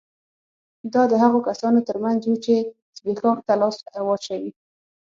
دا د هغو کسانو ترمنځ وو چې زبېښاک ته لاس واچوي